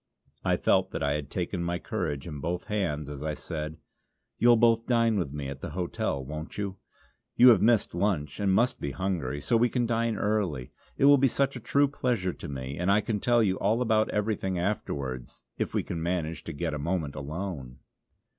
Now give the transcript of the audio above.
I felt that I had taken my courage in both hands as I said: "You'll both dine with me at the hotel, won't you. You have missed lunch and must be hungry, so we can dine early. It will be such a true pleasure to me; and I can tell you all about everything afterwards, if we can manage to get a moment alone."